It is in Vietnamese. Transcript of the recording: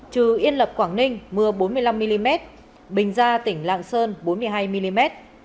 trừ yên lập quảng ninh mưa bốn mươi năm mm bình gia tỉnh lạng sơn bốn mươi hai mm